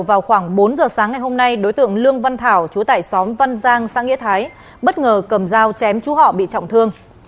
vào khoảng bốn giờ sáng ngày hôm nay đối tượng lương văn thảo chú tải xóm văn giang xã nghĩa thái bất ngờ cầm dao chém chú họ bị trọng thương